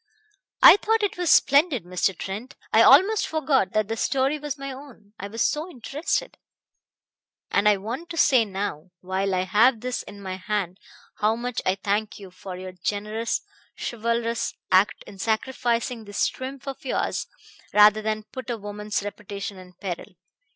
"I thought it was splendid, Mr. Trent I almost forgot that the story was my own, I was so interested. And I want to say now, while I have this in my hand, how much I thank you for your generous, chivalrous act in sacrificing this triumph of yours rather than put a woman's reputation in peril.